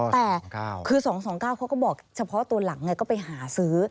แต่คือ๒๒๙เขาก็บอกเฉพาะตัวหลังไงก็ไปหาซื้อ